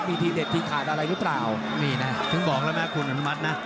ว่าไง